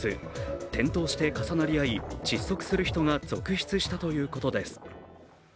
転倒して重なり合い窒息する人が続出したということです。